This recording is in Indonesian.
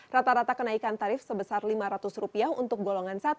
rata rata kenaikan tarif sebesar rp lima ratus untuk golongan satu